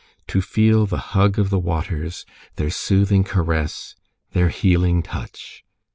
To feel the hug of the waters, their soothing caress, their healing touch!